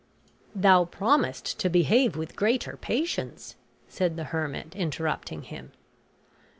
"Thou promisedst to behave with greater patience," said the hermit, interrupting him.